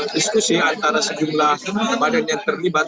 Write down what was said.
diskusi antara sejumlah badan yang terlibat